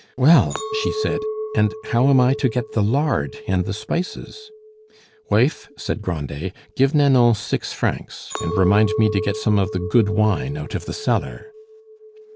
"Well!" she said, "and how am I to get the lard and the spices?" "Wife," said Grandet, "give Nanon six francs, and remind me to get some of the good wine out of the cellar."